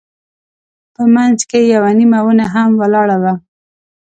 په منځ کې یوه نیمه ونه هم ولاړه وه.